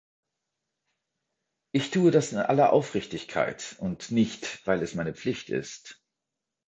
Ich tue das in aller Aufrichtigkeit und nicht, weil es meine Pflicht ist.